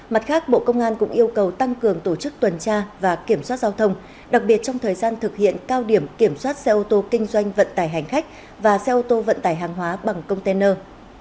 mặt khác bộ công an cũng yêu cầu tăng cường tổ chức tuần tra và kiểm soát giao thông đặc biệt trong thời gian thực hiện cao điểm kiểm soát xe ô tô kinh doanh vận tải hành khách và xe ô tô vận tải hàng hóa bằng container